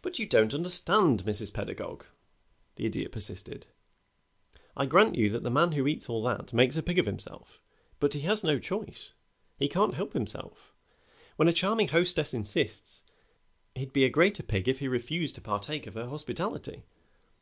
"But you don't understand, Mrs. Pedagog," the Idiot persisted. "I grant you that the man who eats all that makes a pig of himself, but he has no choice. He can't help himself. When a charming hostess insists, he'd be a greater pig if he refused to partake of her hospitality.